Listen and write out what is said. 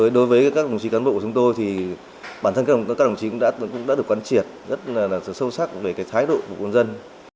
đối với các đồng chí cán bộ của chúng tôi bản thân các đồng chí cũng đã được quan triệt rất sâu sắc về thái độ của quân dân